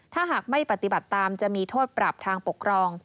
ถ้าหากไม่ปฏิบัติตามจะมีโทษปรับทางปกครอง